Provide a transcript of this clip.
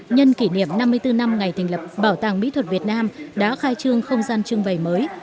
nhân kỷ niệm năm mươi bốn năm ngày thành lập bảo tàng mỹ thuật việt nam đã khai trương không gian trưng bày mới